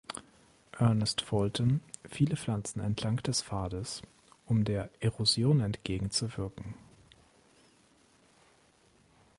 Ernest Fulton viele Pflanzen entlang des Pfades, um der Erosion entgegenzuwirken.